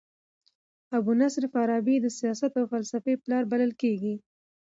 ابو نصر فارابي د سیاست او فلسفې پلار بلل کيږي.